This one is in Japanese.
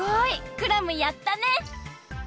クラムやったね！